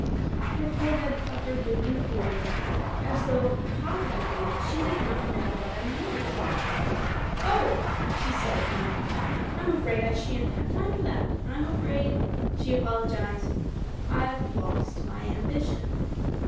Her forehead puckered with inquiry as though, positively, she did not know what I meant. "Oh," she said at length, "Fm afraid I shan't have time for that. Vm afraid,*' she apologized, "Fve lost my ambition.''